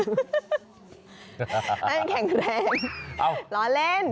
ให้แข็งแรงร้อนเล่น